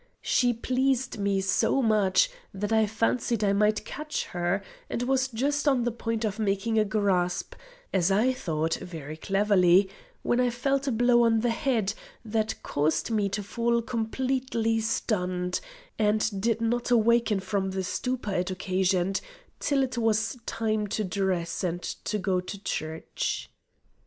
She pleased me so much, that I fancied I might catch her, and was just on the point of making a grasp as I thought very cleverly when I felt a blow on the head, that caused me to fall completely stunned, and did not awaken from the stupor it occasioned till it was time to dress and go to church.